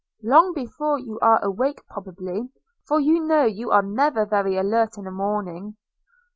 'Long before you are awake probably, for you know you are never very alert in a morning.'